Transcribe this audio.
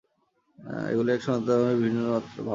এগুলি এক সনাতন ধর্মেরই বিভিন্ন ভাবমাত্র।